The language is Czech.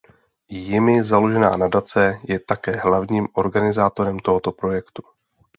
Jimi založená nadace je také hlavním organizátorem tohoto projektu.